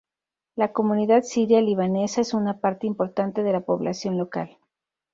La comunidad siria-libanesa es una parte importante de la población local.